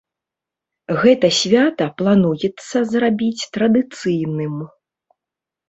Гэта свята плануецца зрабіць традыцыйным.